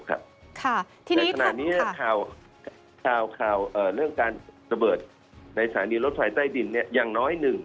ในขณะนี้ข่าวเรื่องการระเบิดในสถานีรถไฟใต้ดินอย่างน้อยหนึ่ง